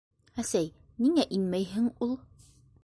Әсәй, ниңә инмәйһең ул?